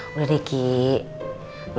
lo jangan kebanyakan aja